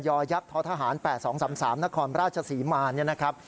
ยอยักษ์ท้อทหาร๘๒๓๓นครราชศรีมาร